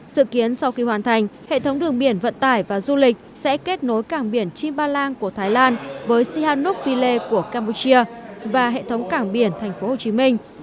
sự kiến sau khi hoàn thành hệ thống đường biển vận tải và du lịch sẽ kết nối cảng biển chimbalang của thái lan với sihanouk pile của campuchia và hệ thống cảng biển thành phố hồ chí minh